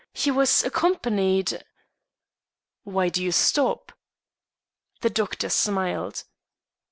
He was accompanied " "Why do you stop?" The doctor smiled.